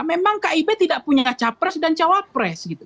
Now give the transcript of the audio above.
memang kib tidak punya capres dan cawapres gitu